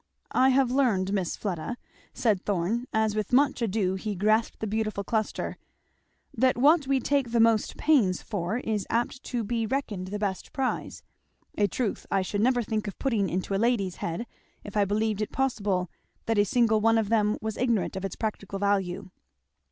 "I have learned, Miss Fleda," said Thorn as with much ado he grasped the beautiful cluster, "that what we take the most pains for is apt to be reckoned the best prize, a truth I should never think of putting into a lady's head if I believed it possible that a single one of them was ignorant of its practical value."